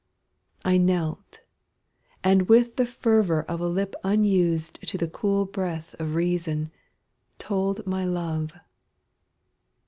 I knelt, And with the fervor of a lip unused To the cool breath of reason, told my love.